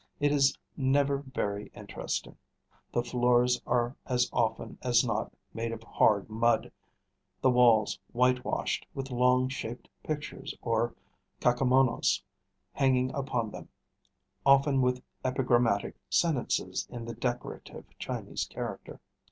It is never very interesting. The floors are as often as not made of hard mud; the walls whitewashed, with long shaped pictures, or kakemonos, hanging upon them, often with epigrammatic sentences in the decorative Chinese character.